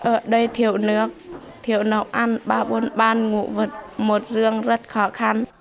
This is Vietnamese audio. ở đây thiểu nước thiểu nộng ăn ba bốn ban ngụ vật một giường rất khó khăn